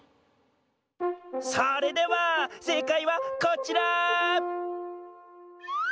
それではせいかいはこちら！